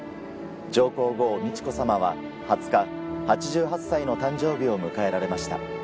上皇后美智子さまは２０日８８歳の誕生日を迎えられました。